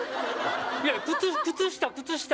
いや靴下靴下